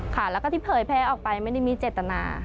ค่ะแล้วก็ที่เผยแพร่ออกไปไม่ได้มีเจตนา